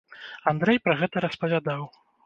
Андрэй пра гэта распавядаў.